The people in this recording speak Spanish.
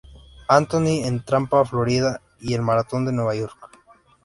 Anthony en Tampa, Florida, y el Maratón de Nueva York.